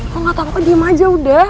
lo gak tau kok diem aja udah